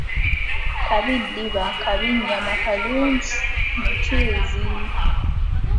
Kabi ddiba kabi nnyama kalungi "mucuuzi"